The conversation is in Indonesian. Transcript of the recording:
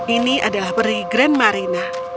ini adalah peri grand marina